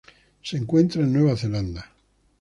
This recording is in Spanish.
Se encuentra en Nueva Zelanda.